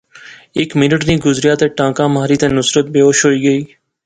ہیک منٹ نی گزریا تے ٹانکا ماری تے نصرت بیہوش ہوئی گئی